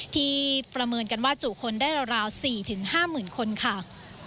ที่ประเมินกันว่าจุคนได้ราว๔๕๐๐๐คนค่ะ